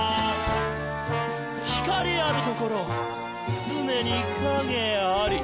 「光あるところ、つねに影あり！」